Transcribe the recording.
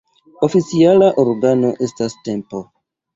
Oficiala organo estas Tempo.